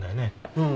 うん。